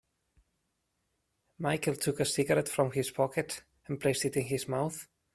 Michael took a cigarette from his pocket and placed it in his mouth.